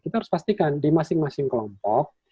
kita harus pastikan di masing masing kelompok